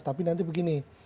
tapi nanti begini